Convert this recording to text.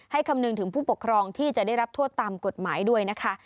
คำนึงถึงผู้ปกครองที่จะได้รับโทษตามกฎหมายด้วยนะคะ